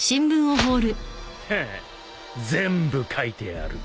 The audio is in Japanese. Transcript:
ヘッ全部書いてある。